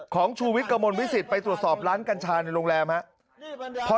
ชูวิทย์กระมวลวิสิตไปตรวจสอบร้านกัญชาในโรงแรมครับ